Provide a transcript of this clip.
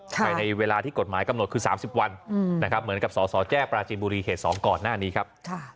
ในเวลาที่กฎหมายกำหนดคือ๓๐วันเหมือนกับสสแจ้ปราจิบุรีเหตุสอมก่อนหน้านี้ครับ